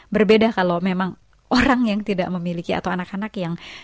berbeda kalau memang orang yang tidak memiliki atau anak anak yang